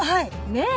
ねえ。